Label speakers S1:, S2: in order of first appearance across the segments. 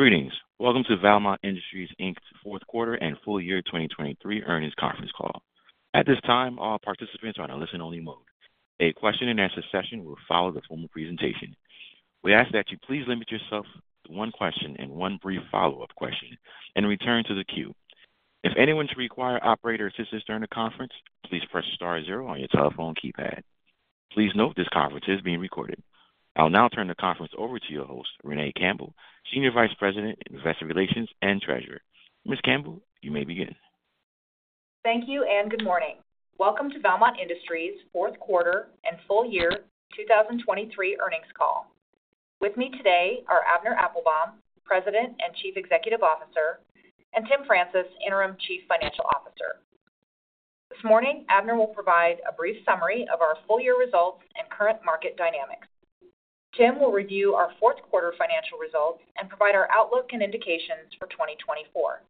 S1: Greetings. Welcome to Valmont Industries, Inc's fourth quarter and full year 2023 earnings conference call. At this time, all participants are in a listen-only mode. A question-and-answer session will follow the formal presentation. We ask that you please limit yourself to one question and one brief follow-up question, and return to the queue. If anyone should require operator assistance during the conference, please press star zero on your telephone keypad. Please note this conference is being recorded. I'll now turn the conference over to your host, Renee Campbell, Senior Vice President, Investor Relations, and Treasurer. Ms. Campbell, you may begin.
S2: Thank you and good morning. Welcome to Valmont Industries' fourth quarter and full year 2023 earnings call. With me today are Avner Applbaum, President and Chief Executive Officer, and Tim Francis, Interim Chief Financial Officer. This morning, Avner will provide a brief summary of our full year results and current market dynamics. Tim will review our fourth quarter financial results and provide our outlook and indications for 2024.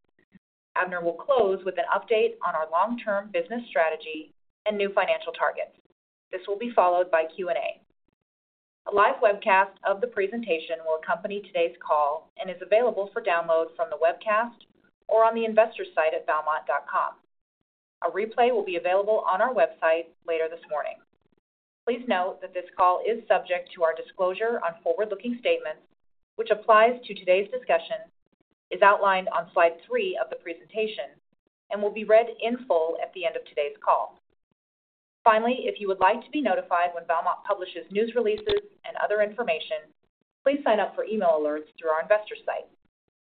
S2: Avner will close with an update on our long-term business strategy and new financial targets. This will be followed by Q&A. A live webcast of the presentation will accompany today's call and is available for download from the webcast or on the investor site at valmont.com. A replay will be available on our website later this morning. Please note that this call is subject to our disclosure on forward-looking statements, which applies to today's discussion, is outlined on slide three of the presentation, and will be read in full at the end of today's call. Finally, if you would like to be notified when Valmont publishes news releases and other information, please sign up for email alerts through our investor site.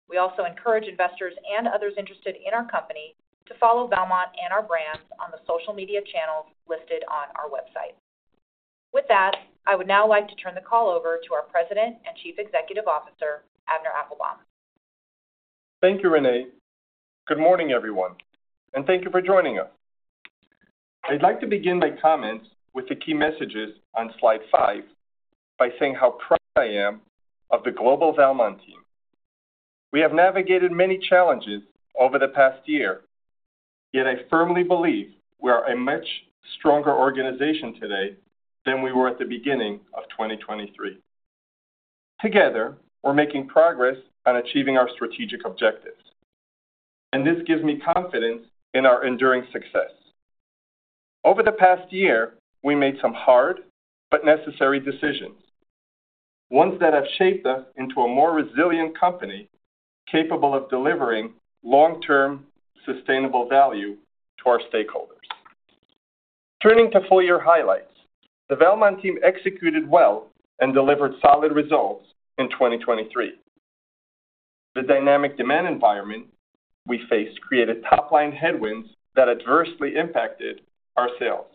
S2: We also encourage investors and others interested in our company to follow Valmont and our brands on the social media channels listed on our website. With that, I would now like to turn the call over to our President and Chief Executive Officer, Avner Applbaum.
S3: Thank you, Renee. Good morning, everyone, and thank you for joining us. I'd like to begin my comments with the key messages on slide five by saying how proud I am of the global Valmont team. We have navigated many challenges over the past year, yet I firmly believe we are a much stronger organization today than we were at the beginning of 2023. Together, we're making progress on achieving our strategic objectives, and this gives me confidence in our enduring success. Over the past year, we made some hard but necessary decisions, ones that have shaped us into a more resilient company capable of delivering long-term sustainable value to our stakeholders. Turning to full year highlights, the Valmont team executed well and delivered solid results in 2023. The dynamic demand environment we faced created top-line headwinds that adversely impacted our sales.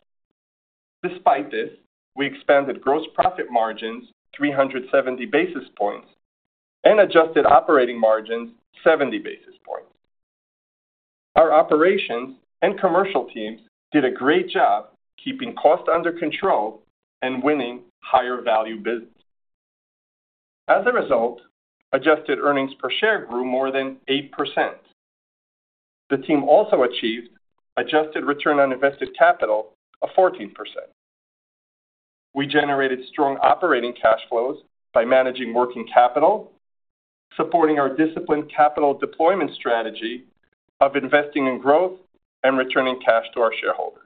S3: Despite this, we expanded gross profit margins 370 basis points and adjusted operating margins 70 basis points. Our operations and commercial teams did a great job keeping cost under control and winning higher-value business. As a result, adjusted earnings per share grew more than 8%. The team also achieved adjusted return on invested capital of 14%. We generated strong operating cash flows by managing working capital, supporting our disciplined capital deployment strategy of investing in growth and returning cash to our shareholders.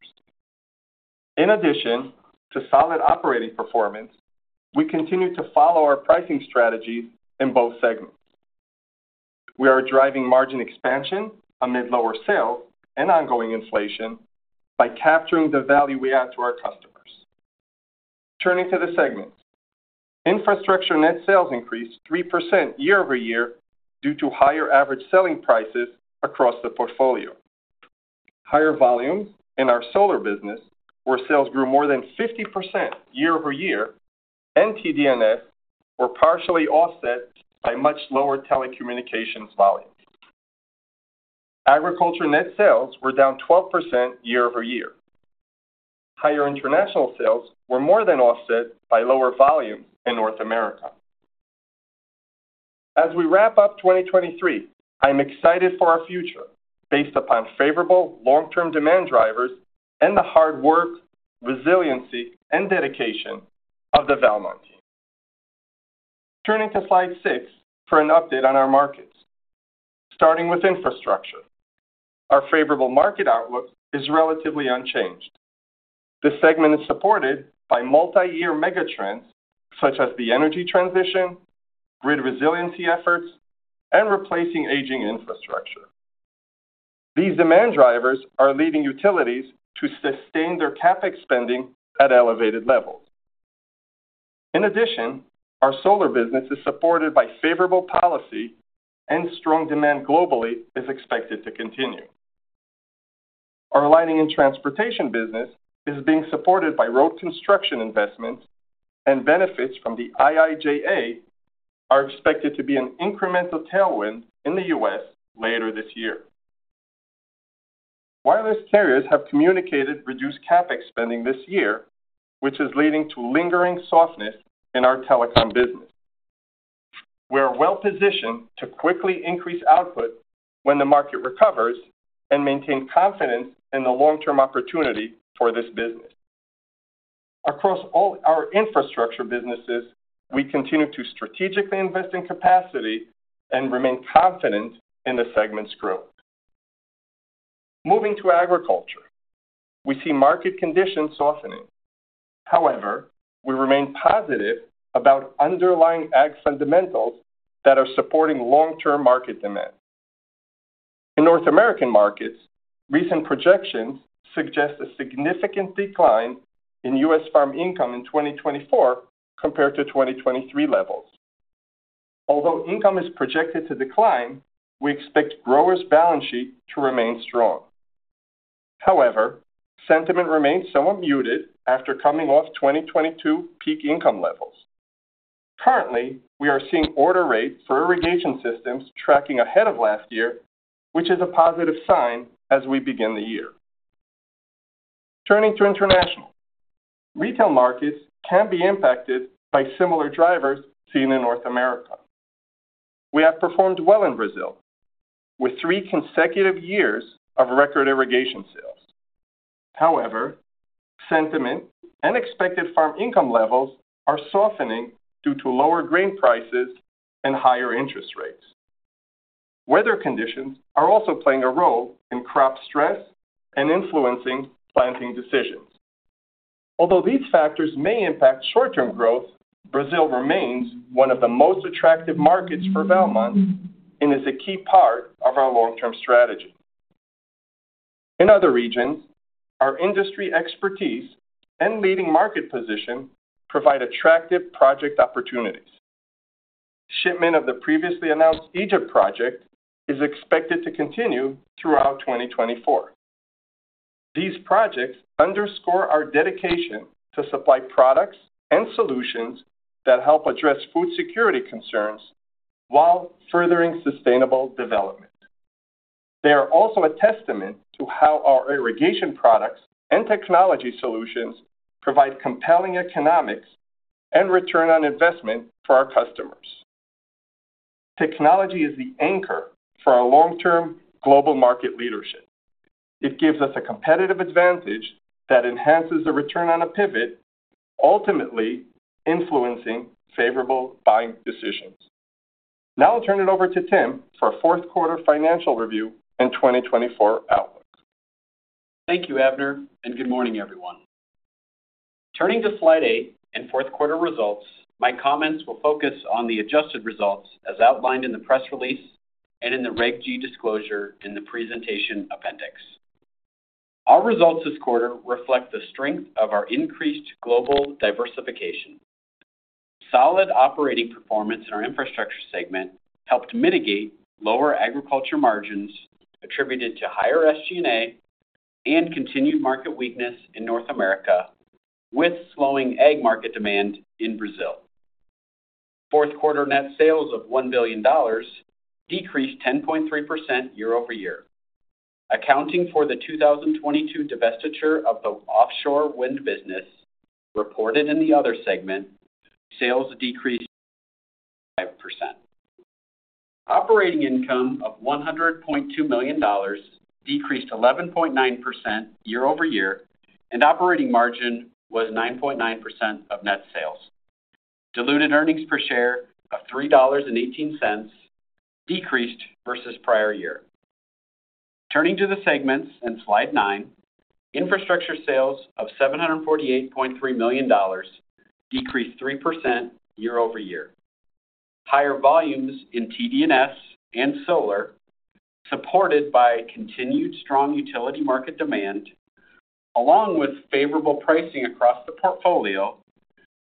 S3: In addition to solid operating performance, we continue to follow our pricing strategies in both segments. We are driving margin expansion amid lower sales and ongoing inflation by capturing the value we add to our customers. Turning to the segments, infrastructure net sales increased 3% year-over-year due to higher average selling prices across the portfolio. Higher volumes in our solar business, where sales grew more than 50% year-over-year, and TD&S were partially offset by much lower telecommunications volumes. Agriculture net sales were down 12% year-over-year. Higher international sales were more than offset by lower volumes in North America. As we wrap up 2023, I'm excited for our future based upon favorable long-term demand drivers and the hard work, resiliency, and dedication of the Valmont team. Turning to slide six for an update on our markets. Starting with infrastructure, our favorable market outlook is relatively unchanged. The segment is supported by multi-year megatrends such as the energy transition, grid resiliency efforts, and replacing aging infrastructure. These demand drivers are leading utilities to sustain their CapEx spending at elevated levels. In addition, our solar business is supported by favorable policy, and strong demand globally is expected to continue. Our lighting and transportation business is being supported by road construction investments, and benefits from the IIJA are expected to be an incremental tailwind in the U.S. later this year. Wireless carriers have communicated reduced CapEx spending this year, which is leading to lingering softness in our telecom business. We are well positioned to quickly increase output when the market recovers and maintain confidence in the long-term opportunity for this business. Across all our infrastructure businesses, we continue to strategically invest in capacity and remain confident in the segment's growth. Moving to agriculture, we see market conditions softening. However, we remain positive about underlying ag fundamentals that are supporting long-term market demand. In North American markets, recent projections suggest a significant decline in U.S. farm income in 2024 compared to 2023 levels. Although income is projected to decline, we expect growers' balance sheet to remain strong. However, sentiment remains somewhat muted after coming off 2022 peak income levels. Currently, we are seeing order rate for irrigation systems tracking ahead of last year, which is a positive sign as we begin the year. Turning to international, retail markets can be impacted by similar drivers seen in North America. We have performed well in Brazil with three consecutive years of record irrigation sales. However, sentiment and expected farm income levels are softening due to lower grain prices and higher interest rates. Weather conditions are also playing a role in crop stress and influencing planting decisions. Although these factors may impact short-term growth, Brazil remains one of the most attractive markets for Valmont and is a key part of our long-term strategy. In other regions, our industry expertise and leading market position provide attractive project opportunities. Shipment of the previously announced Egypt project is expected to continue throughout 2024. These projects underscore our dedication to supply products and solutions that help address food security concerns while furthering sustainable development. They are also a testament to how our irrigation products and technology solutions provide compelling economics and return on investment for our customers. Technology is the anchor for our long-term global market leadership. It gives us a competitive advantage that enhances the return on a pivot, ultimately influencing favorable buying decisions. Now I'll turn it over to Tim for fourth quarter financial review and 2024 outlook.
S4: Thank you, Avner, and good morning, everyone. Turning to slide eight and fourth quarter results, my comments will focus on the adjusted results as outlined in the press release and in the Reg G disclosure in the presentation appendix. Our results this quarter reflect the strength of our increased global diversification. Solid operating performance in our infrastructure segment helped mitigate lower agriculture margins attributed to higher SG&A and continued market weakness in North America with slowing ag market demand in Brazil. Fourth quarter net sales of $1 billion decreased 10.3% year-over-year. Accounting for the 2022 divestiture of the offshore wind business reported in the other segment, sales decreased 5%. Operating income of $100.2 million decreased 11.9% year-over-year, and operating margin was 9.9% of net sales. Diluted earnings per share of $3.18 decreased versus prior year. Turning to the segments and slide nine, infrastructure sales of $748.3 million decreased 3% year-over-year. Higher volumes in TD&S and solar, supported by continued strong utility market demand along with favorable pricing across the portfolio,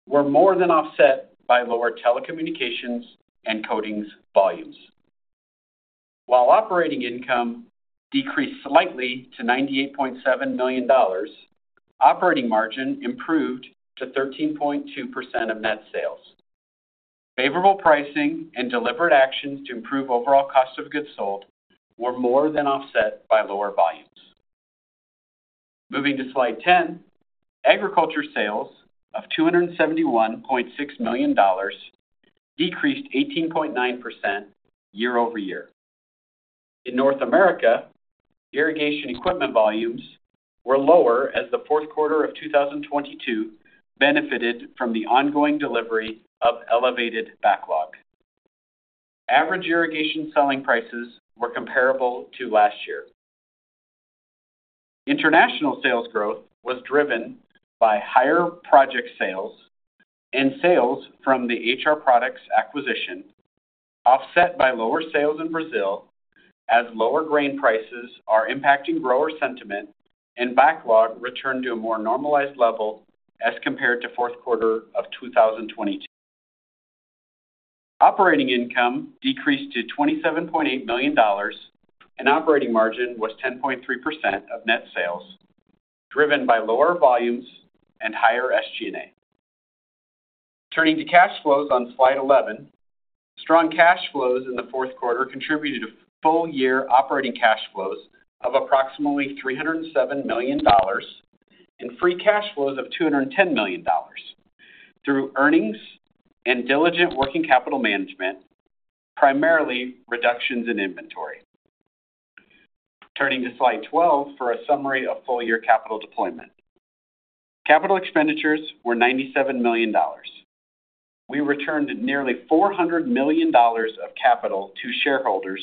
S4: were more than offset by lower telecommunications and coatings volumes. While operating income decreased slightly to $98.7 million, operating margin improved to 13.2% of net sales. Favorable pricing and deliberate actions to improve overall cost of goods sold were more than offset by lower volumes. Moving to slide 10, agriculture sales of $271.6 million decreased 18.9% year-over-year. In North America, irrigation equipment volumes were lower as the fourth quarter of 2022 benefited from the ongoing delivery of elevated backlog. Average irrigation selling prices were comparable to last year. International sales growth was driven by higher project sales and sales from the HR Products acquisition, offset by lower sales in Brazil as lower grain prices are impacting grower sentiment and backlog returned to a more normalized level as compared to fourth quarter of 2022. Operating income decreased to $27.8 million, and operating margin was 10.3% of net sales, driven by lower volumes and higher SG&A. Turning to cash flows on slide 11, strong cash flows in the fourth quarter contributed to full-year operating cash flows of approximately $307 million and free cash flows of $210 million through earnings and diligent working capital management, primarily reductions in inventory. Turning to slide 12 for a summary of full-year capital deployment. Capital expenditures were $97 million. We returned nearly $400 million of capital to shareholders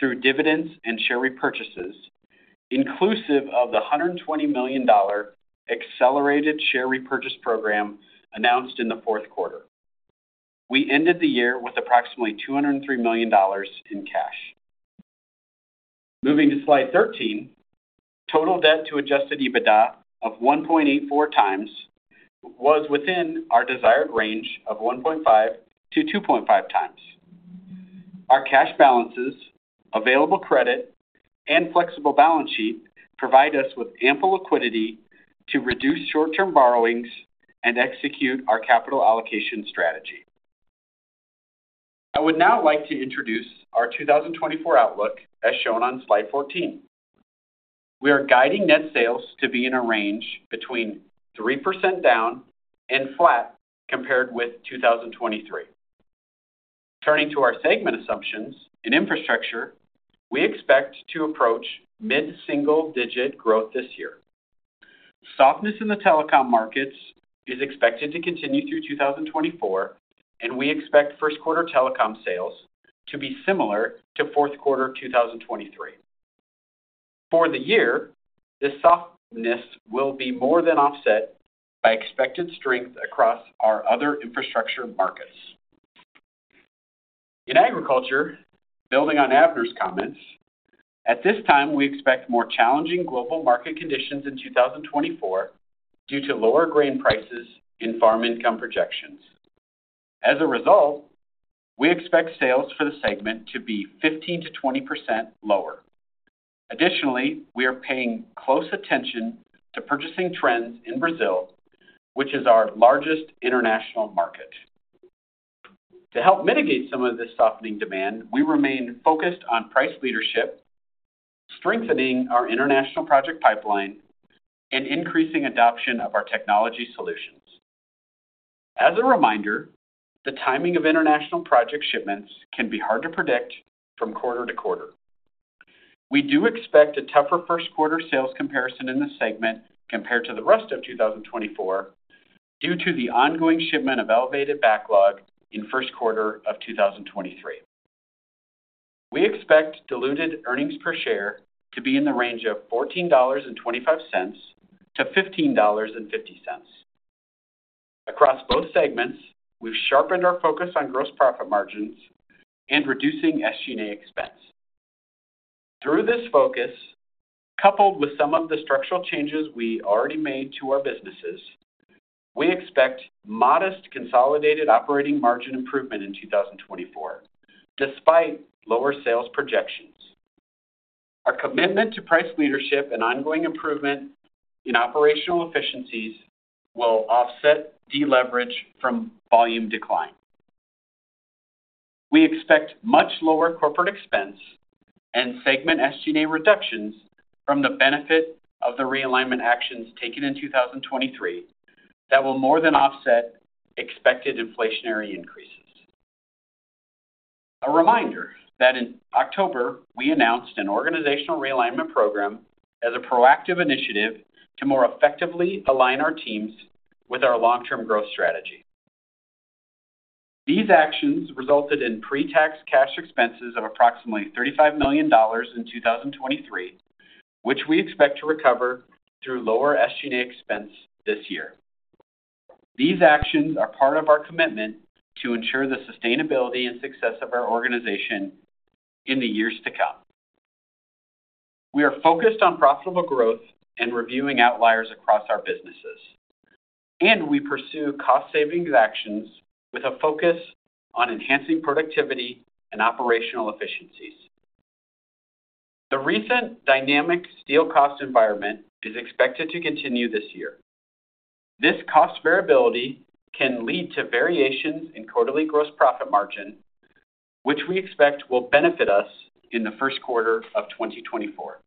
S4: through dividends and share repurchases, inclusive of the $120 million accelerated share repurchase program announced in the fourth quarter. We ended the year with approximately $203 million in cash. Moving to slide 13, total debt to Adjusted EBITDA of 1.84x was within our desired range of 1.5x-2.5x. Our cash balances, available credit, and flexible balance sheet provide us with ample liquidity to reduce short-term borrowings and execute our capital allocation strategy. I would now like to introduce our 2024 outlook as shown on slide 14. We are guiding net sales to be in a range between 3% down and flat compared with 2023. Turning to our segment assumptions in infrastructure, we expect to approach mid-single-digit growth this year. Softness in the telecom markets is expected to continue through 2024, and we expect first-quarter telecom sales to be similar to fourth quarter 2023. For the year, this softness will be more than offset by expected strength across our other infrastructure markets. In agriculture, building on Avner's comments, at this time we expect more challenging global market conditions in 2024 due to lower grain prices in farm income projections. As a result, we expect sales for the segment to be 15%-20% lower. Additionally, we are paying close attention to purchasing trends in Brazil, which is our largest international market. To help mitigate some of this softening demand, we remain focused on price leadership, strengthening our international project pipeline, and increasing adoption of our technology solutions. As a reminder, the timing of international project shipments can be hard to predict from quarter to quarter. We do expect a tougher first-quarter sales comparison in this segment compared to the rest of 2024 due to the ongoing shipment of elevated backlog in first quarter of 2023. We expect diluted earnings per share to be in the range of $14.25-$15.50. Across both segments, we've sharpened our focus on gross profit margins and reducing SG&A expense. Through this focus, coupled with some of the structural changes we already made to our businesses, we expect modest consolidated operating margin improvement in 2024 despite lower sales projections. Our commitment to price leadership and ongoing improvement in operational efficiencies will offset de-leverage from volume decline. We expect much lower corporate expense and segment SG&A reductions from the benefit of the realignment actions taken in 2023 that will more than offset expected inflationary increases. A reminder that in October, we announced an organizational realignment program as a proactive initiative to more effectively align our teams with our long-term growth strategy. These actions resulted in pre-tax cash expenses of approximately $35 million in 2023, which we expect to recover through lower SG&A expense this year. These actions are part of our commitment to ensure the sustainability and success of our organization in the years to come. We are focused on profitable growth and reviewing outliers across our businesses, and we pursue cost-saving actions with a focus on enhancing productivity and operational efficiencies. The recent dynamic steel cost environment is expected to continue this year. This cost variability can lead to variations in quarterly gross profit margin, which we expect will benefit us in the first quarter of 2024.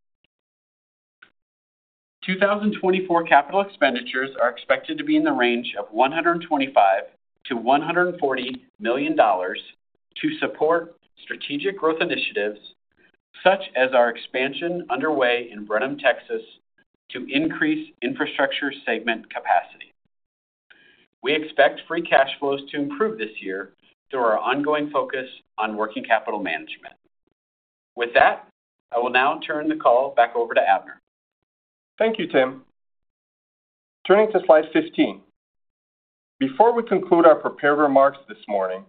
S4: 2024 capital expenditures are expected to be in the range of $125-$140 million to support strategic growth initiatives such as our expansion underway in Brenham, Texas, to increase infrastructure segment capacity. We expect free cash flows to improve this year through our ongoing focus on working capital management. With that, I will now turn the call back over to Avner.
S3: Thank you, Tim. Turning to slide 15. Before we conclude our prepared remarks this morning,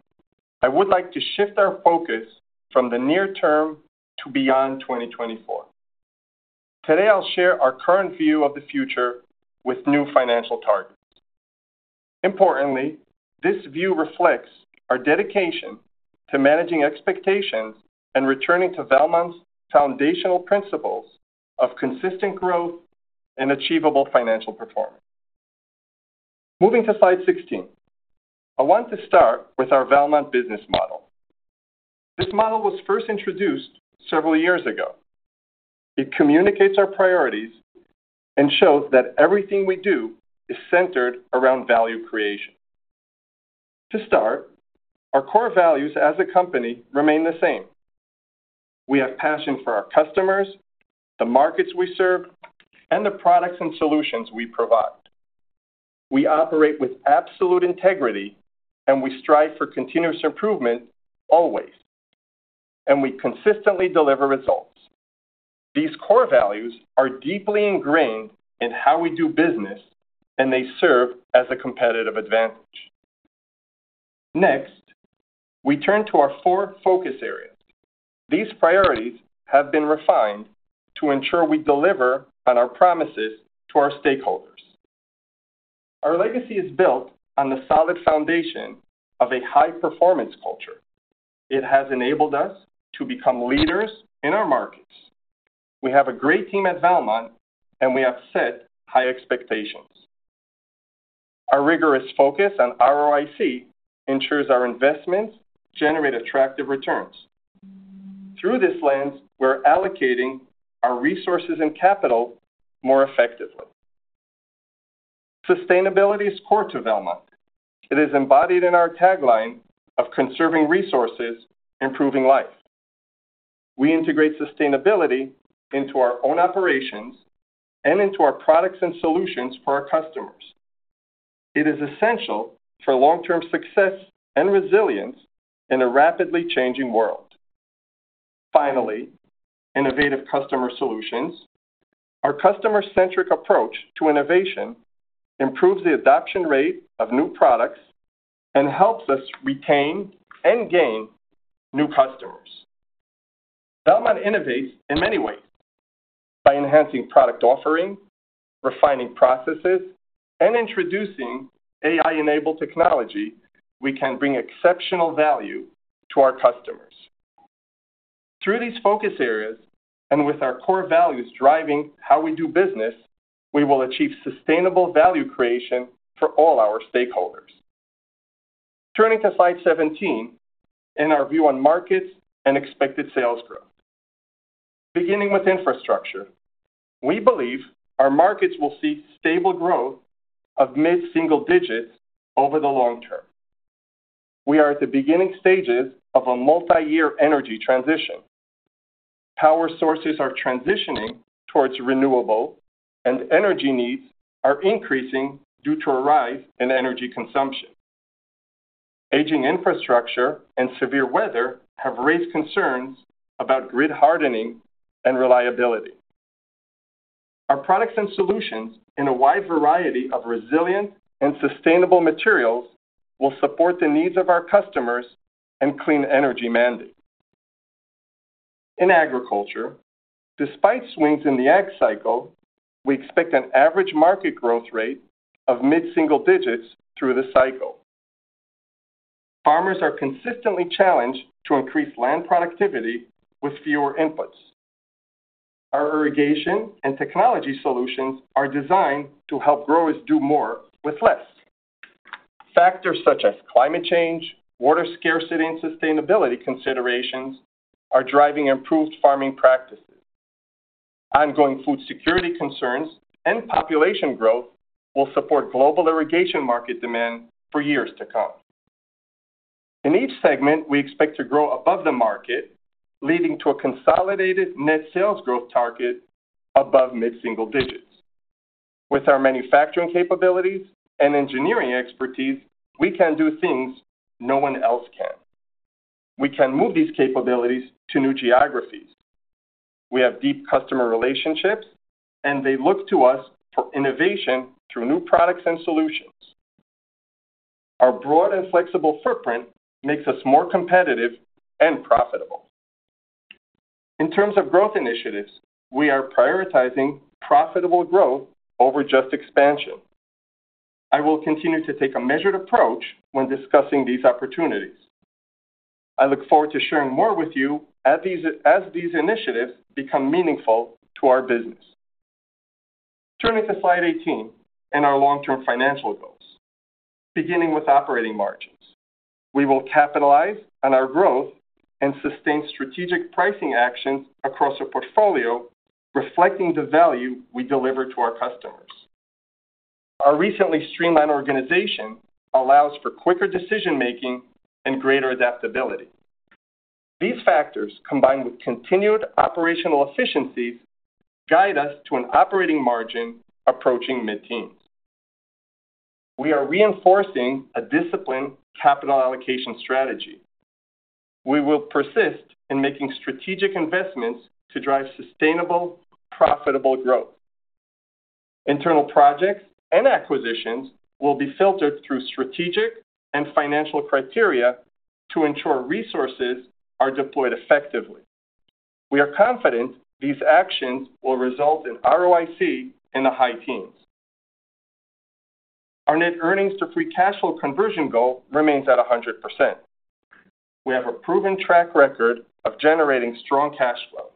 S3: I would like to shift our focus from the near term to beyond 2024. Today, I'll share our current view of the future with new financial targets. Importantly, this view reflects our dedication to managing expectations and returning to Valmont's foundational principles of consistent growth and achievable financial performance. Moving to slide 16, I want to start with our Valmont business model. This model was first introduced several years ago. It communicates our priorities and shows that everything we do is centered around value creation. To start, our core values as a company remain the same. We have passion for our customers, the markets we serve, and the products and solutions we provide. We operate with absolute integrity, and we strive for continuous improvement always, and we consistently deliver results. These core values are deeply ingrained in how we do business, and they serve as a competitive advantage. Next, we turn to our four focus areas. These priorities have been refined to ensure we deliver on our promises to our stakeholders. Our legacy is built on the solid foundation of a high-performance culture. It has enabled us to become leaders in our markets. We have a great team at Valmont, and we have set high expectations. Our rigorous focus on ROIC ensures our investments generate attractive returns. Through this lens, we're allocating our resources and capital more effectively. Sustainability is core to Valmont. It is embodied in our tagline of conserving resources, improving life. We integrate sustainability into our own operations and into our products and solutions for our customers. It is essential for long-term success and resilience in a rapidly changing world. Finally, innovative customer solutions. Our customer-centric approach to innovation improves the adoption rate of new products and helps us retain and gain new customers. Valmont innovates in many ways. By enhancing product offering, refining processes, and introducing AI-enabled technology, we can bring exceptional value to our customers. Through these focus areas and with our core values driving how we do business, we will achieve sustainable value creation for all our stakeholders. Turning to slide 17 and our view on markets and expected sales growth. Beginning with infrastructure, we believe our markets will see stable growth of mid-single digits over the long term. We are at the beginning stages of a multi-year energy transition. Power sources are transitioning towards renewable, and energy needs are increasing due to a rise in energy consumption. Aging infrastructure and severe weather have raised concerns about grid hardening and reliability. Our products and solutions in a wide variety of resilient and sustainable materials will support the needs of our customers and clean energy mandate. In agriculture, despite swings in the ag cycle, we expect an average market growth rate of mid-single digits through the cycle. Farmers are consistently challenged to increase land productivity with fewer inputs. Our irrigation and technology solutions are designed to help growers do more with less. Factors such as climate change, water scarcity, and sustainability considerations are driving improved farming practices. Ongoing food security concerns and population growth will support global irrigation market demand for years to come. In each segment, we expect to grow above the market, leading to a consolidated net sales growth target above mid-single digits. With our manufacturing capabilities and engineering expertise, we can do things no one else can. We can move these capabilities to new geographies. We have deep customer relationships, and they look to us for innovation through new products and solutions. Our broad and flexible footprint makes us more competitive and profitable. In terms of growth initiatives, we are prioritizing profitable growth over just expansion. I will continue to take a measured approach when discussing these opportunities. I look forward to sharing more with you as these initiatives become meaningful to our business. Turning to slide 18 and our long-term financial goals. Beginning with operating margins, we will capitalize on our growth and sustain strategic pricing actions across our portfolio, reflecting the value we deliver to our customers. Our recently streamlined organization allows for quicker decision-making and greater adaptability. These factors, combined with continued operational efficiencies, guide us to an operating margin approaching mid-teens. We are reinforcing a disciplined capital allocation strategy. We will persist in making strategic investments to drive sustainable, profitable growth. Internal projects and acquisitions will be filtered through strategic and financial criteria to ensure resources are deployed effectively. We are confident these actions will result in ROIC in the high teens. Our net earnings to free cash flow conversion goal remains at 100%. We have a proven track record of generating strong cash flow.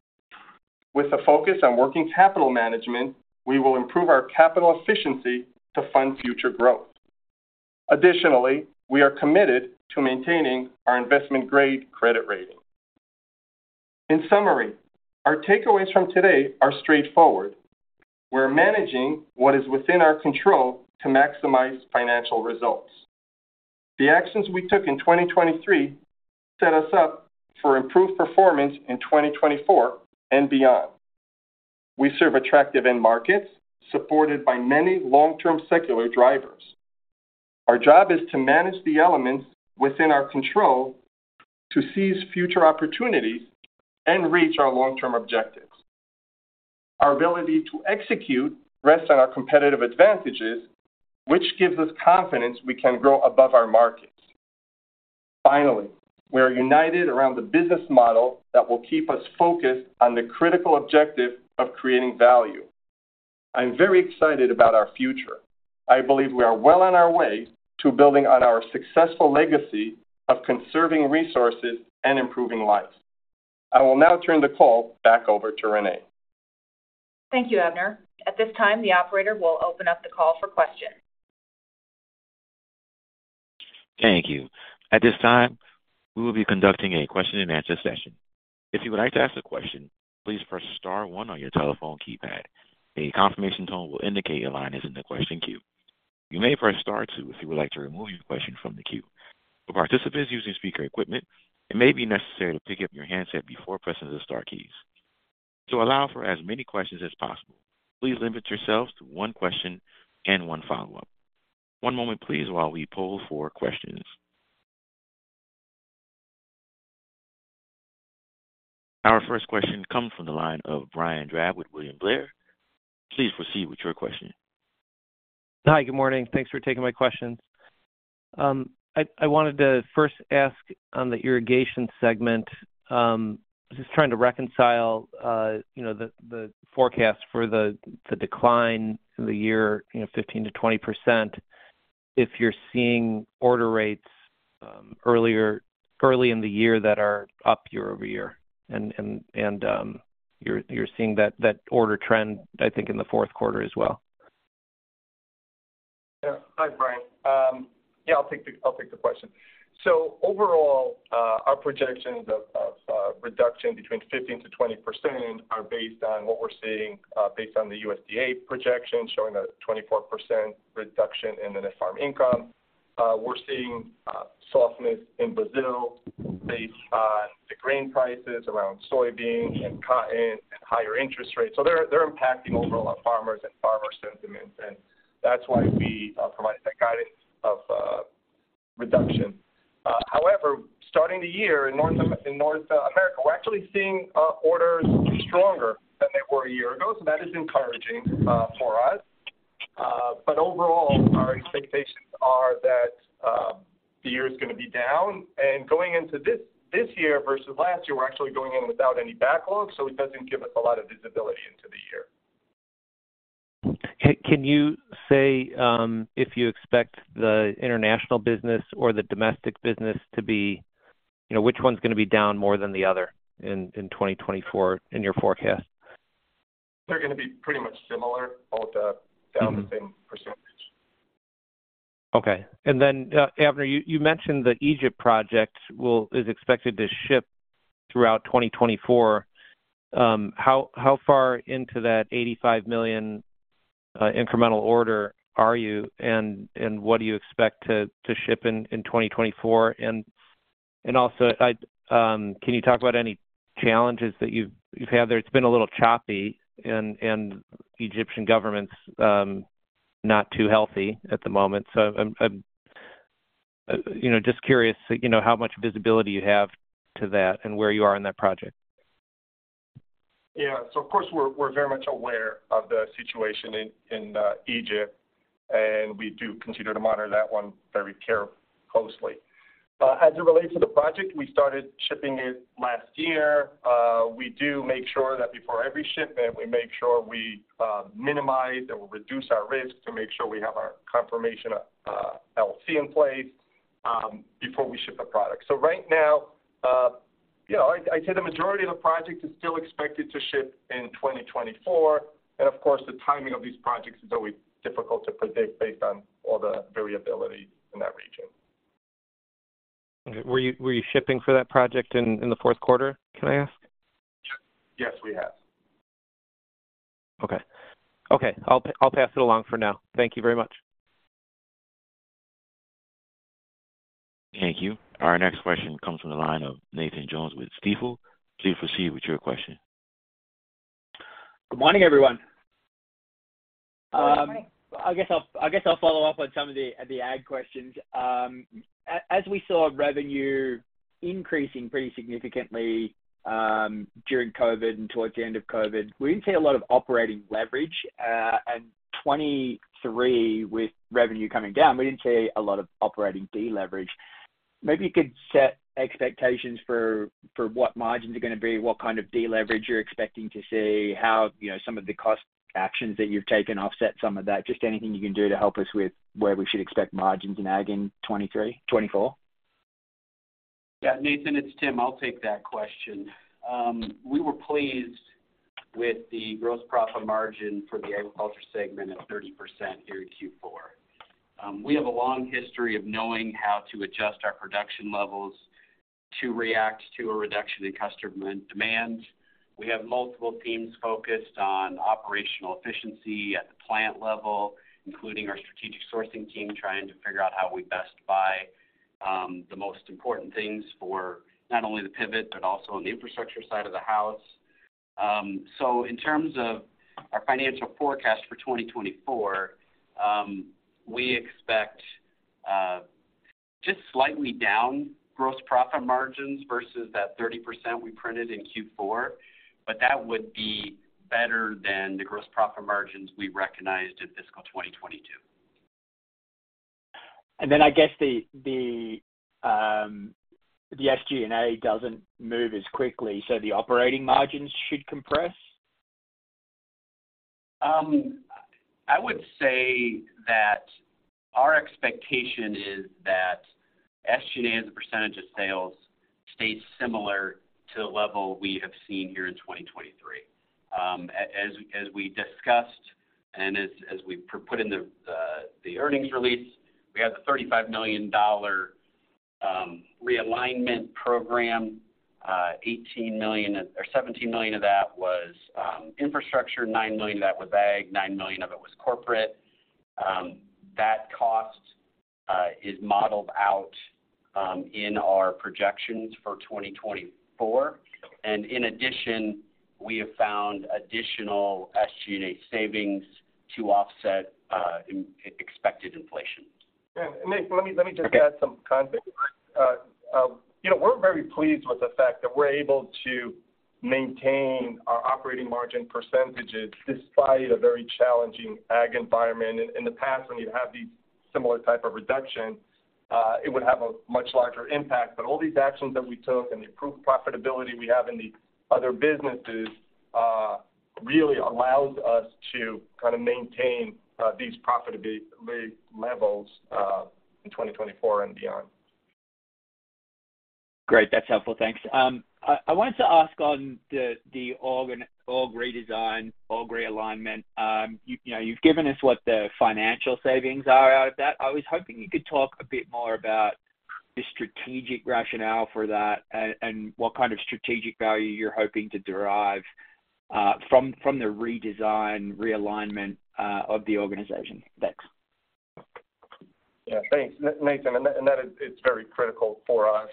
S3: With a focus on working capital management, we will improve our capital efficiency to fund future growth. Additionally, we are committed to maintaining our investment-grade credit rating. In summary, our takeaways from today are straightforward. We're managing what is within our control to maximize financial results. The actions we took in 2023 set us up for improved performance in 2024 and beyond. We serve attractive end markets supported by many long-term secular drivers. Our job is to manage the elements within our control to seize future opportunities and reach our long-term objectives. Our ability to execute rests on our competitive advantages, which gives us confidence we can grow above our markets. Finally, we are united around the business model that will keep us focused on the critical objective of creating value. I'm very excited about our future. I believe we are well on our way to building on our successful legacy of conserving resources and improving life. I will now turn the call back over to Renee.
S2: Thank you, Avner. At this time, the operator will open up the call for questions.
S1: Thank you. At this time, we will be conducting a question-and-answer session. If you would like to ask a question, please press star one on your telephone keypad. A confirmation tone will indicate your line is in the question queue. You may press star two if you would like to remove your question from the queue. For participants using speaker equipment, it may be necessary to pick up your handset before pressing the star keys. To allow for as many questions as possible, please limit yourselves to one question and one follow-up. One moment, please, while we pull four questions. Our first question comes from the line of Brian Drab with William Blair. Please proceed with your question.
S5: Hi. Good morning. Thanks for taking my questions. I wanted to first ask on the irrigation segment. I'm just trying to reconcile the forecast for the decline in the year, 15%-20%, if you're seeing order rates early in the year that are up year-over-year. And you're seeing that order trend, I think, in the fourth quarter as well.
S3: Hi, Brian. Yeah, I'll take the question. So overall, our projections of reduction between 15%-20% are based on what we're seeing based on the USDA projection showing a 24% reduction in the net farm income. We're seeing softness in Brazil based on the grain prices around soybeans and cotton and higher interest rates. So they're impacting overall our farmers and farmer sentiments, and that's why we provided that guidance of reduction. However, starting the year in North America, we're actually seeing orders stronger than they were a year ago, so that is encouraging for us. But overall, our expectations are that the year is going to be down. And going into this year versus last year, we're actually going in without any backlog, so it doesn't give us a lot of visibility into the year.
S5: Can you say if you expect the international business or the domestic business to be which one's going to be down more than the other in 2024 in your forecast?
S3: They're going to be pretty much similar, both down the same percentage.
S5: Okay. And then, Avner, you mentioned the Egypt project is expected to ship throughout 2024. How far into that $85 million incremental order are you, and what do you expect to ship in 2024? And also, can you talk about any challenges that you've had there? It's been a little choppy, and Egyptian government's not too healthy at the moment. So I'm just curious how much visibility you have to that and where you are in that project.
S3: Yeah. So of course, we're very much aware of the situation in Egypt, and we do continue to monitor that one very closely. As it relates to the project, we started shipping it last year. We do make sure that before every shipment, we make sure we minimize and we reduce our risk to make sure we have our confirmation LC in place before we ship the product. So right now, I'd say the majority of the project is still expected to ship in 2024. And of course, the timing of these projects is always difficult to predict based on all the variability in that region.
S5: Were you shipping for that project in the fourth quarter, can I ask?
S3: Yes, we have.
S5: Okay. Okay. I'll pass it along for now. Thank you very much.
S1: Thank you. Our next question comes from the line of Nathan Jones with Stifel. Please proceed with your question.
S6: Good morning, everyone. I guess I'll follow up on some of the ag questions. As we saw revenue increasing pretty significantly during COVID and towards the end of COVID, we didn't see a lot of operating leverage. 2023, with revenue coming down, we didn't see a lot of operating deleverage. Maybe you could set expectations for what margins are going to be, what kind of deleverage you're expecting to see, how some of the cost actions that you've taken offset some of that, just anything you can do to help us with where we should expect margins nagging in 2023, 2024.
S4: Yeah. Nathan, it's Tim. I'll take that question. We were pleased with the gross profit margin for the agriculture segment at 30% here in Q4. We have a long history of knowing how to adjust our production levels to react to a reduction in customer demand. We have multiple teams focused on operational efficiency at the plant level, including our strategic sourcing team trying to figure out how we best buy the most important things for not only the pivot but also on the infrastructure side of the house. So in terms of our financial forecast for 2024, we expect just slightly down gross profit margins versus that 30% we printed in Q4, but that would be better than the gross profit margins we recognized in fiscal 2022.
S6: I guess the SG&A doesn't move as quickly, so the operating margins should compress?
S4: I would say that our expectation is that SG&A as a percentage of sales stays similar to the level we have seen here in 2023. As we discussed and as we put in the earnings release, we have the $35 million realignment program. $17 million of that was infrastructure, $9 million of that was ag, $9 million of it was corporate. That cost is modeled out in our projections for 2024. In addition, we have found additional SG&A savings to offset expected inflation.
S3: And Nathan, let me just add some context. We're very pleased with the fact that we're able to maintain our operating margin percentages despite a very challenging ag environment. In the past, when you'd have these similar type of reductions, it would have a much larger impact. But all these actions that we took and the improved profitability we have in the other businesses really allows us to kind of maintain these profitability levels in 2024 and beyond.
S6: Great. That's helpful. Thanks. I wanted to ask on the org design, org alignment. You've given us what the financial savings are out of that. I was hoping you could talk a bit more about the strategic rationale for that and what kind of strategic value you're hoping to derive from the redesign, realignment of the organization. Thanks.
S3: Yeah. Thanks, Nathan. And that is very critical for us.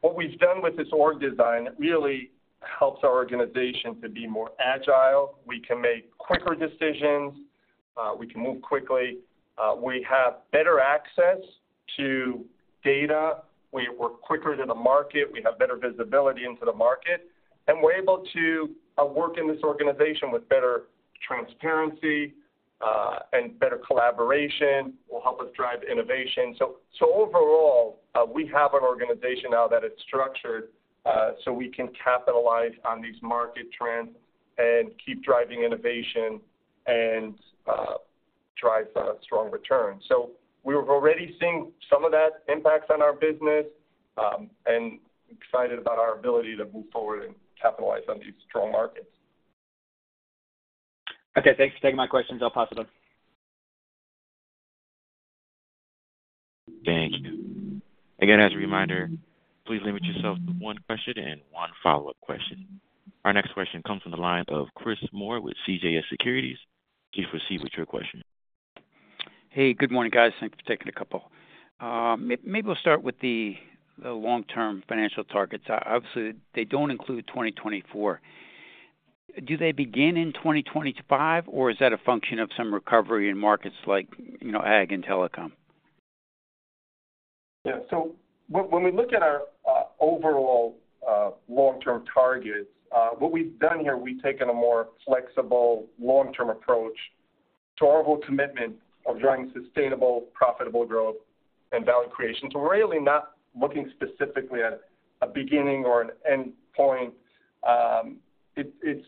S3: What we've done with this org design really helps our organization to be more agile. We can make quicker decisions. We can move quickly. We have better access to data. We're quicker to the market. We have better visibility into the market. And we're able to work in this organization with better transparency and better collaboration, which will help us drive innovation. So overall, we have an organization now that is structured so we can capitalize on these market trends and keep driving innovation and drive strong returns. So we were already seeing some of that impacts on our business and excited about our ability to move forward and capitalize on these strong markets.
S6: Okay. Thanks for taking my questions. I'll pass it on.
S1: Thank you. Again, as a reminder, please limit yourself to one question and one follow-up question. Our next question comes from the line of Chris Moore with CJS Securities. Please proceed with your question.
S7: Hey. Good morning, guys. Thanks for taking a couple. Maybe we'll start with the long-term financial targets. Obviously, they don't include 2024. Do they begin in 2025, or is that a function of some recovery in markets like ag and telecom?
S3: Yeah. So when we look at our overall long-term targets, what we've done here, we've taken a more flexible long-term approach to our overall commitment of driving sustainable, profitable growth and value creation. So we're really not looking specifically at a beginning or an end point. It's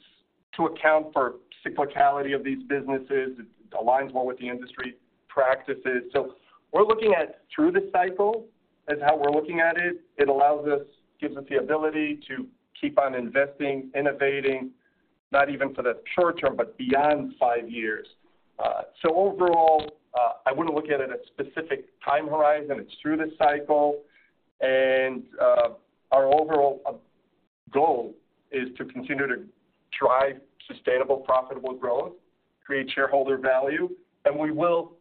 S3: to account for cyclicality of these businesses. It aligns well with the industry practices. So we're looking at through the cycle as how we're looking at it. It gives us the ability to keep on investing, innovating, not even for the short term, but beyond five years. So overall, I wouldn't look at it as a specific time horizon. It's through the cycle. And our overall goal is to continue to drive sustainable, profitable growth, create shareholder value. And we will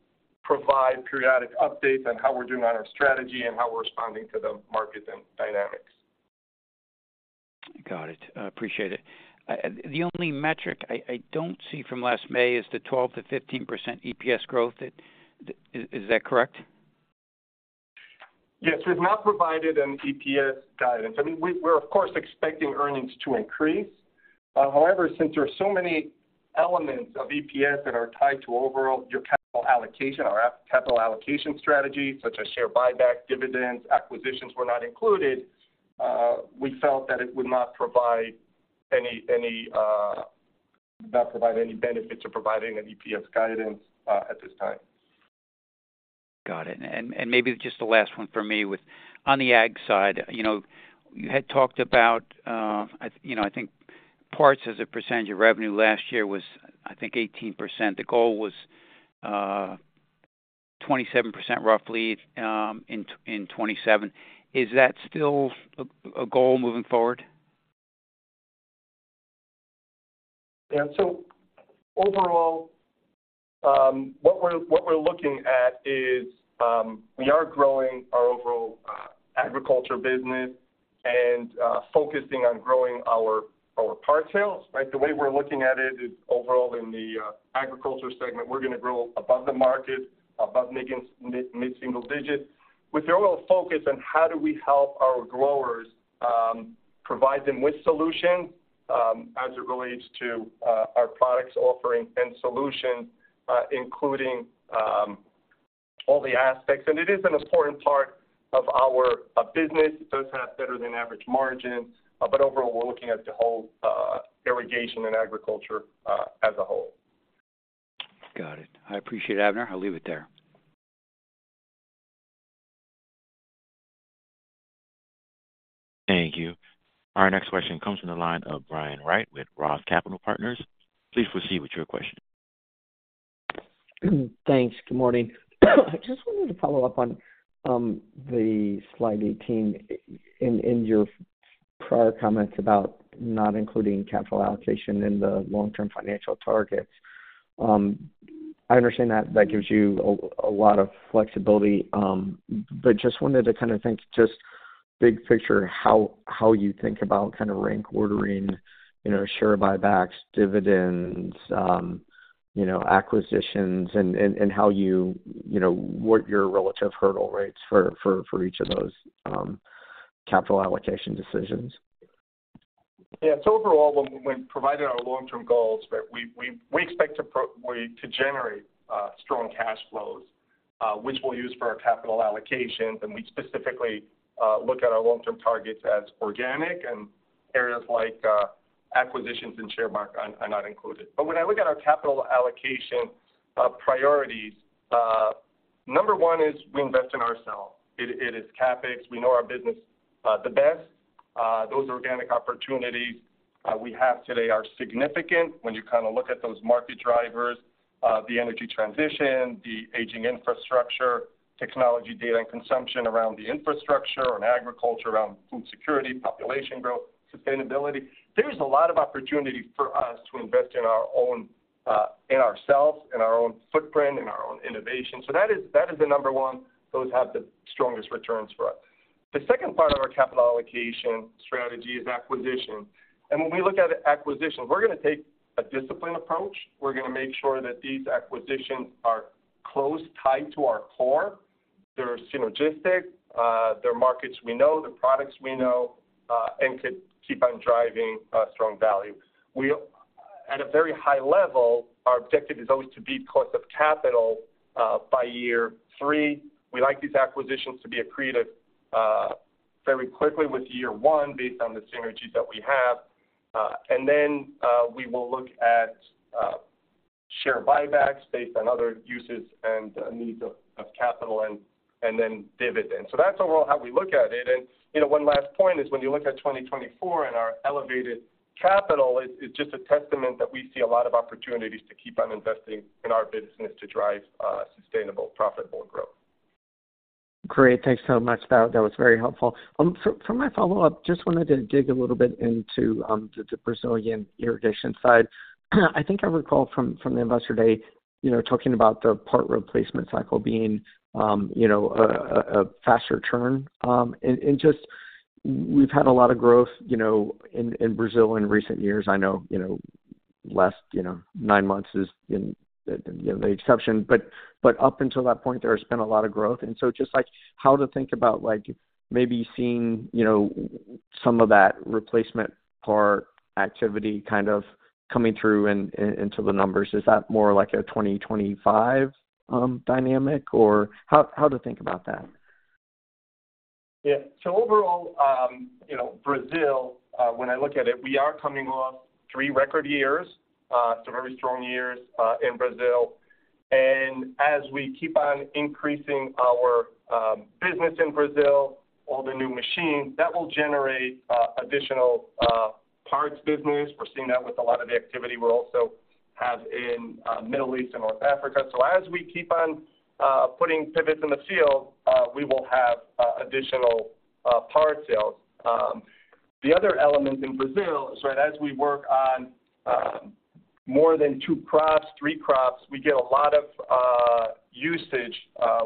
S3: provide periodic updates on how we're doing on our strategy and how we're responding to the markets and dynamics.
S7: Got it. Appreciate it. The only metric I don't see from last May is the 12%-15% EPS growth. Is that correct?
S3: Yes. We've not provided an EPS guidance. I mean, we're, of course, expecting earnings to increase. However, since there are so many elements of EPS that are tied to your capital allocation, our capital allocation strategy, such as share buyback, dividends, acquisitions were not included. We felt that it would not provide any benefits of providing an EPS guidance at this time.
S7: Got it. Maybe just the last one for me on the ag side, you had talked about, I think, parts as a percentage of revenue. Last year was, I think, 18%. The goal was 27% roughly in 2027. Is that still a goal moving forward?
S3: Yeah. So overall, what we're looking at is we are growing our overall agriculture business and focusing on growing our part sales, right? The way we're looking at it is overall in the agriculture segment, we're going to grow above the market, above mid-single digit with the overall focus on how do we help our growers, provide them with solutions as it relates to our products offering and solutions, including all the aspects. And it is an important part of our business. It does have better-than-average margins. But overall, we're looking at the whole irrigation and agriculture as a whole.
S7: Got it. I appreciate it, Avner. I'll leave it there.
S1: Thank you. Our next question comes from the line of Brian Wright with Roth Capital Partners. Please proceed with your question.
S8: Thanks. Good morning. I just wanted to follow up on slide 18 in your prior comments about not including capital allocation in the long-term financial targets. I understand that that gives you a lot of flexibility, but just wanted to kind of think just big picture how you think about kind of rank ordering share buybacks, dividends, acquisitions, and what your relative hurdle rates for each of those capital allocation decisions.
S3: Yeah. So overall, when provided our long-term goals, we expect to generate strong cash flows, which we'll use for our capital allocations. We specifically look at our long-term targets as organic, and areas like acquisitions and share market are not included. But when I look at our capital allocation priorities, number one is we invest in ourselves. It is CapEx. We know our business the best. Those organic opportunities we have today are significant when you kind of look at those market drivers: the energy transition, the aging infrastructure, technology, data, and consumption around the infrastructure and agriculture around food security, population growth, sustainability. There's a lot of opportunity for us to invest in ourselves, in our own footprint, in our own innovation. So that is the number one. Those have the strongest returns for us. The second part of our capital allocation strategy is acquisitions. When we look at acquisitions, we're going to take a disciplined approach. We're going to make sure that these acquisitions are close tied to our core. They're synergistic. They're markets we know. They're products we know and could keep on driving strong value. At a very high level, our objective is always to beat cost of capital by year three. We like these acquisitions to be accretive very quickly with year one based on the synergies that we have. And then we will look at share buybacks based on other uses and needs of capital and then dividends. So that's overall how we look at it. And one last point is when you look at 2024 and our elevated capital, it's just a testament that we see a lot of opportunities to keep on investing in our business to drive sustainable, profitable growth.
S8: Great. Thanks so much. That was very helpful. For my follow-up, just wanted to dig a little bit into the Brazilian irrigation side. I think I recall from the investor day talking about the part replacement cycle being a faster turn. And we've had a lot of growth in Brazil in recent years. I know last nine months is the exception, but up until that point, there has been a lot of growth. And so just how to think about maybe seeing some of that replacement part activity kind of coming through into the numbers, is that more like a 2025 dynamic, or how to think about that?
S3: Yeah. So overall, Brazil, when I look at it, we are coming off three record years. It's a very strong year in Brazil. And as we keep on increasing our business in Brazil, all the new machines, that will generate additional parts business. We're seeing that with a lot of the activity we also have in the Middle East and North Africa. So as we keep on putting pivots in the field, we will have additional part sales. The other element in Brazil is right as we work on more than two crops, three crops, we get a lot of usage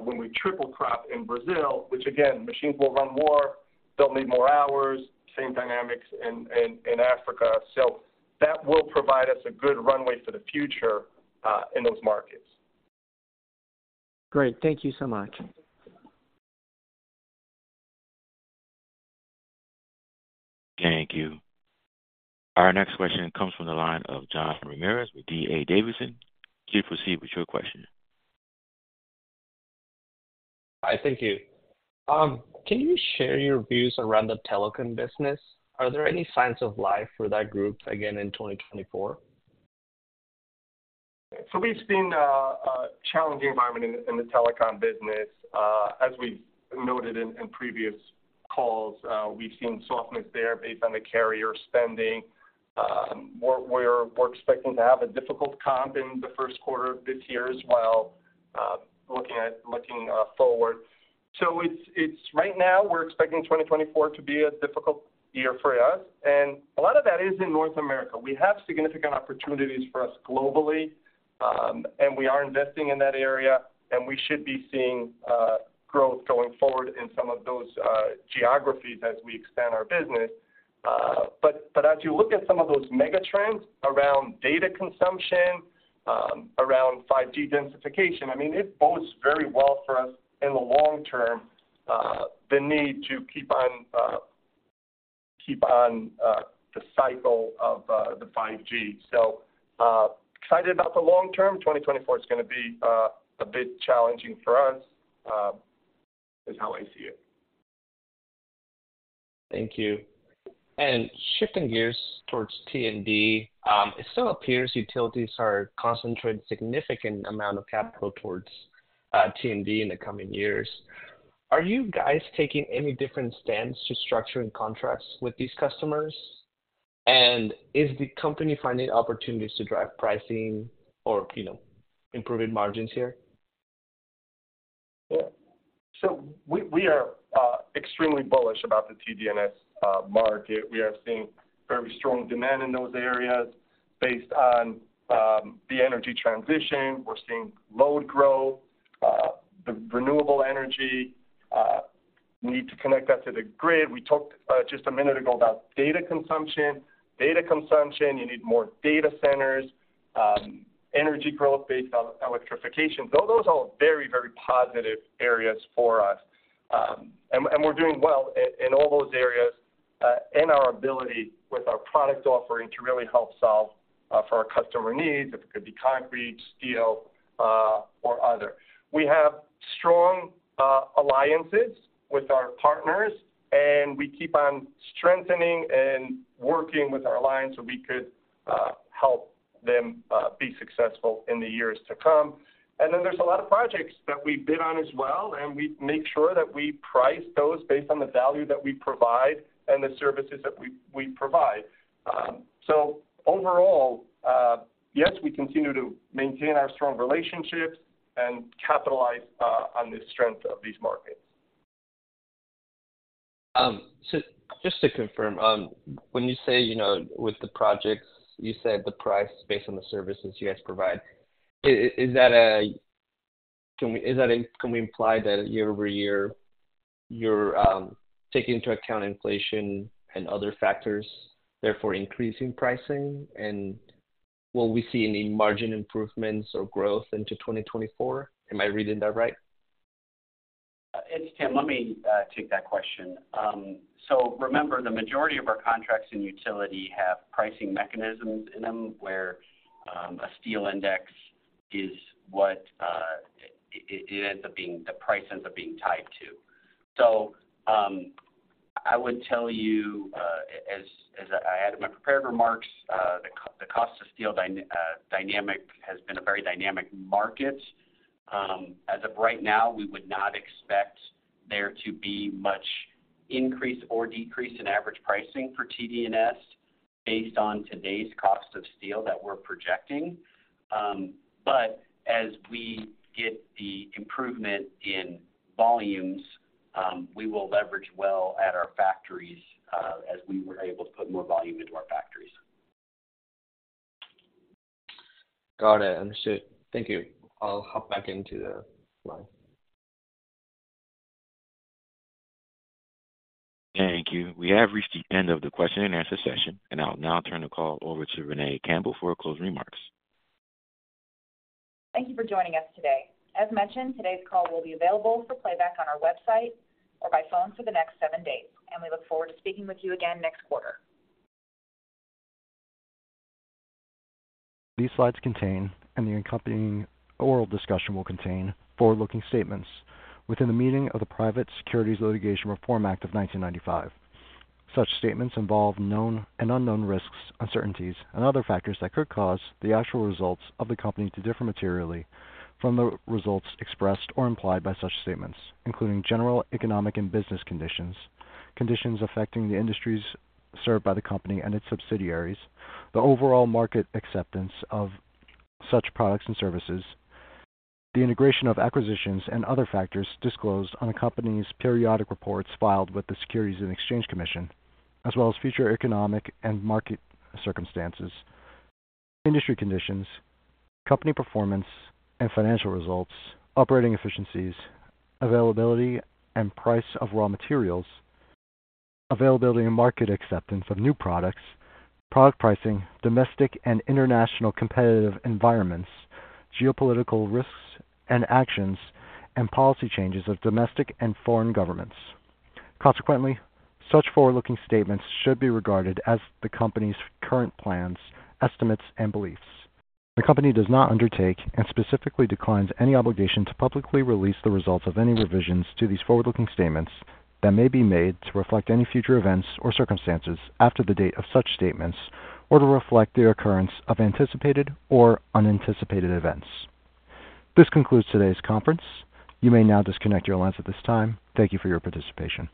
S3: when we triple crop in Brazil, which again, machines will run more. They'll need more hours, same dynamics in Africa. So that will provide us a good runway for the future in those markets.
S8: Great. Thank you so much.
S1: Thank you. Our next question comes from the line of Gene Ramirez with DA Davidson. Please proceed with your question.
S9: Hi. Thank you. Can you share your views around the telecom business? Are there any signs of life for that group again in 2024?
S3: So we've seen a challenging environment in the telecom business. As we've noted in previous calls, we've seen softness there based on the carrier spending. We're expecting to have a difficult comp in the first quarter of this year as well looking forward. So right now, we're expecting 2024 to be a difficult year for us. And a lot of that is in North America. We have significant opportunities for us globally, and we are investing in that area. And we should be seeing growth going forward in some of those geographies as we expand our business. But as you look at some of those megatrends around data consumption, around 5G densification, I mean, it bodes very well for us in the long-term, the need to keep on the cycle of the 5G. So excited about the long term. 2024 is going to be a bit challenging for us is how I see it.
S9: Thank you. Shifting gears towards T&D, it still appears utilities are concentrating a significant amount of capital towards T&D in the coming years. Are you guys taking any different stance to structuring contracts with these customers? Is the company finding opportunities to drive pricing or improving margins here?
S3: Yeah. So we are extremely bullish about the TD&S market. We are seeing very strong demand in those areas based on the energy transition. We're seeing load growth, the renewable energy, need to connect that to the grid. We talked just a minute ago about data consumption. Data consumption, you need more data centers, energy growth based on electrification. So those are all very, very positive areas for us. And we're doing well in all those areas and our ability with our product offering to really help solve for our customer needs, if it could be concrete, steel, or other. We have strong alliances with our partners, and we keep on strengthening and working with our alliance so we could help them be successful in the years to come. And then there's a lot of projects that we bid on as well, and we make sure that we price those based on the value that we provide and the services that we provide. So overall, yes, we continue to maintain our strong relationships and capitalize on the strength of these markets.
S9: So just to confirm, when you say with the projects, you said the price based on the services you guys provide. Is that a can we imply that year-over-year, you're taking into account inflation and other factors, therefore increasing pricing? And will we see any margin improvements or growth into 2024? Am I reading that right?
S4: It's, Tim, let me take that question. So remember, the majority of our contracts in utility have pricing mechanisms in them where a steel index is what it ends up being the price ends up being tied to. So I would tell you, as I added my prepared remarks, the cost of steel dynamic has been a very dynamic market. As of right now, we would not expect there to be much increase or decrease in average pricing for TD&S based on today's cost of steel that we're projecting. But as we get the improvement in volumes, we will leverage well at our factories as we were able to put more volume into our factories.
S9: Got it. Understood. Thank you. I'll hop back into the line.
S1: Thank you. We have reached the end of the question-and-answer session, and I'll now turn the call over to Renee Campbell for her closing remarks.
S2: Thank you for joining us today. As mentioned, today's call will be available for playback on our website or by phone for the next seven days. We look forward to speaking with you again next quarter.
S1: These slides contain, and the accompanying oral discussion will contain, forward-looking statements within the meaning of the Private Securities Litigation Reform Act of 1995. Such statements involve known and unknown risks, uncertainties, and other factors that could cause the actual results of the company to differ materially from the results expressed or implied by such statements, including general economic and business conditions, conditions affecting the industries served by the company and its subsidiaries, the overall market acceptance of such products and services, the integration of acquisitions and other factors disclosed on a company's periodic reports filed with the Securities and Exchange Commission, as well as future economic and market circumstances, industry conditions, company performance and financial results, operating efficiencies, availability and price of raw materials, availability and market acceptance of new products, product pricing, domestic and international competitive environments, geopolitical risks and actions, and policy changes of domestic and foreign governments. Consequently, such forward-looking statements should be regarded as the company's current plans, estimates, and beliefs. The company does not undertake and specifically declines any obligation to publicly release the results of any revisions to these forward-looking statements that may be made to reflect any future events or circumstances after the date of such statements or to reflect the occurrence of anticipated or unanticipated events. This concludes today's conference. You may now disconnect your lines at this time. Thank you for your participation.